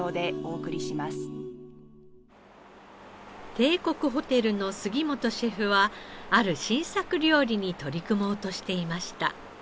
帝国ホテルの杉本シェフはある新作料理に取り組もうとしていました。